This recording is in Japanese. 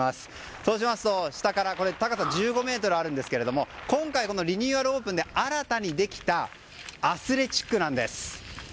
そうしますと下から高さ１５ｍあるんですが今回、リニューアルオープンで新たにできたアスレチックなんです。